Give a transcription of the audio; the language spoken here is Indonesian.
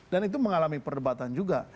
dan itu mengalami perdebatan juga